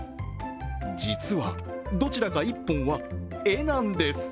実は、どちらか１本は絵なんです。